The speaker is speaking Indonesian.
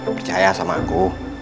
percaya sama aku